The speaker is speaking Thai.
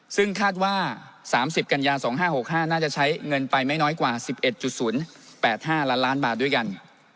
ซึ่งคาดว่า๓๐กันยา๒๕๖๕น่าจะใช้เงินไปไม่น้อยกว่า๑๑๐๘๕ล้านล้านบาทด้วยกัน